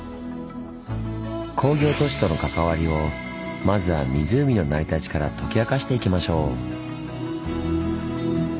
工業都市との関わりをまずは湖の成り立ちから解き明かしていきましょう。